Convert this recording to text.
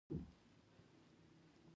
له ناچارۍ مې خدای پاماني ورسره وکړه.